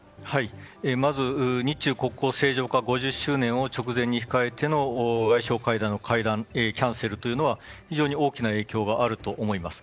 まず日中国交正常化５０周年を直前に控えての外相会談のキャンセルというのは非常に大きな影響があると思います。